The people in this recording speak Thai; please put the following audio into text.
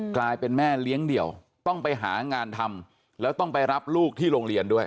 กลายเป็นแม่เลี้ยงเดี่ยวต้องไปหางานทำแล้วต้องไปรับลูกที่โรงเรียนด้วย